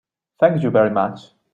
Thank you very much.